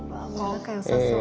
仲よさそう。